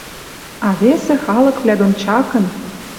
А весӹ халыквлӓ дон чакын